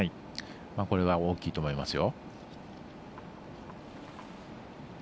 これが大きいと思いますよ。